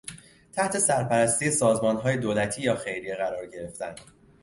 تحت سرپرستی سازمانهای دولتی یا خیریه قرار گرفتن